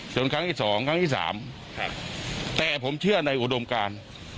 ครั้งที่สองครั้งที่สามแต่ผมเชื่อในอุดมการ